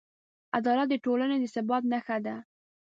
عدالت د ټولنې د ثبات نښه ده.